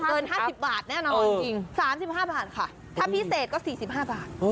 เกิน๕๐บาทแน่นอน๓๕บาทค่ะถ้าพิเศษก็๔๕บาท